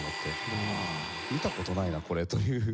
見た事ないなこれという。